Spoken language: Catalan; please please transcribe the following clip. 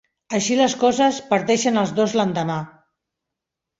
Així les coses, parteixen els dos l'endemà.